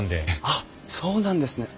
あっそうなんですね。